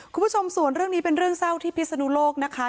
คุณผู้ชมส่วนเรื่องนี้เป็นเรื่องเศร้าที่พิศนุโลกนะคะ